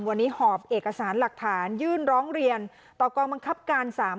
วันนี้หอบเอกสารหลักฐานยื่นร้องเรียนต่อกองบังคับการ๓